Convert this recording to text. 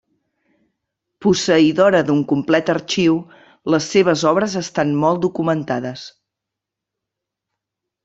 Posseïdora d'un complet arxiu, les seves obres estan molt documentades.